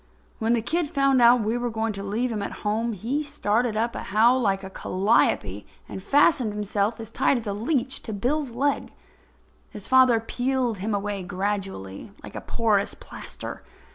When the kid found out we were going to leave him at home he started up a howl like a calliope and fastened himself as tight as a leech to Bill's leg. His father peeled him away gradually, like a porous plaster.